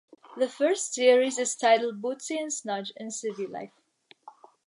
The first series is titled Bootsie and Snudge in Civvy Life.